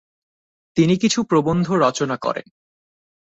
তিনি কিছু প্রবন্ধ রচনা করেন।